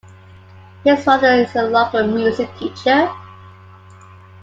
His father is the local music teacher.